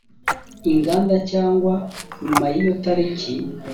inganda cyangwa nyuma y’iyo tariki